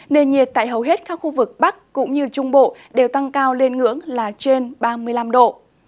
nền nhiệt tại hầu hết các khu vực bắc cũng như trung bộ đều tăng cao lên ngưỡng là trên ba mươi năm độ